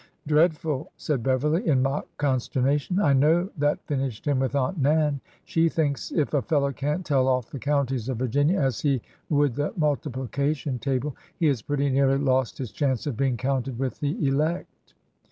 Dreadful !" said Beverly, in mock consternation. " I know that finished him with Aunt Nan. She thinks if a fellow can't tell off the counties of Virginia as he would the multiplication table he has pretty nearly lost his chance of being counted with the elect."